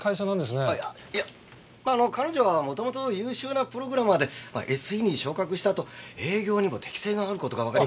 いやまあ彼女は元々優秀なプログラマーでＳＥに昇格したあと営業にも適性がある事がわかり。